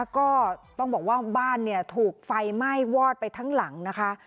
ก็ต้องบอกว่าบ้านถูกไฟไหม้วอดไปทั้งหลังนะคะ